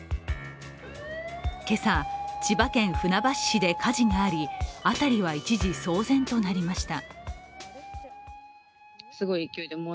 けさ、千葉県船橋市で火事があり当たりは一時騒然となりました。